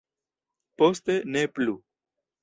Poste ne plu.